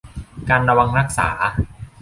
การระวังรักษา